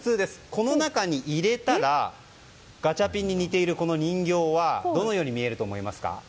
この中に入れたらガチャピンに似ている人形はどのように見えると思いますか？